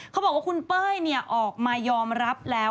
เขาบอกว่าคุณเป้ยออกมายอมรับแล้ว